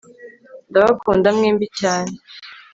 ndabakunda mwembi cyane